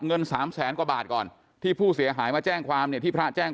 เงิน๓แสนกว่าบาทก่อนที่ผู้เสียหายมาแจ้งความเนี่ยที่พระแจ้ง